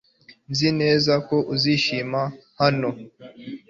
Nzi neza ko uzishima hano .